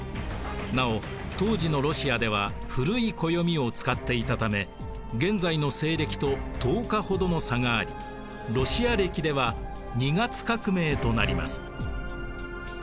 なお当時のロシアでは古い暦を使っていたため現在の西暦と１０日ほどの差がありロシア暦では二月革命となります。